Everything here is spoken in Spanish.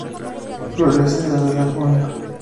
Florece de Abril a Junio.